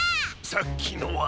さっきのは。